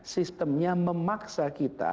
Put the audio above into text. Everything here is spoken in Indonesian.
sistemnya memaksa kita